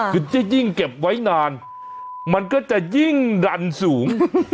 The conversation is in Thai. คือจะยิ่งเก็บไว้นานมันก็จะยิ่งดันสูง